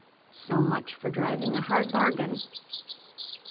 So much for driving a hard bargain.